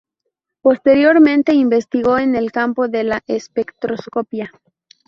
Posteriormente investigó en el campo de la espectroscopia.